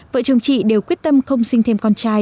vợ chồng chị đều quyết tâm không sinh thêm con trai